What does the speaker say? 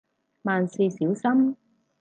萬事小心